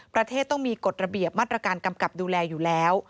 ประเทศต้องมีกฎระเบียบมาตรการกำกับดูแลอยู่แล้ว